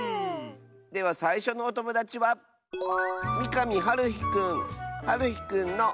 ではさいしょのおともだちははるひくんの。